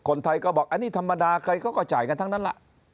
คนไทยก็บอกอันนี้ธรรมดาใครเขาก็จ่ายกันทั้งนั้นล่ะ